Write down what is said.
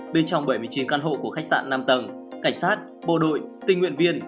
bên trong bảy mươi chín căn hộ của khách sạn năm tầng cảnh sát bộ đội tình nguyện viên